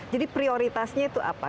jadi prioritasnya itu apa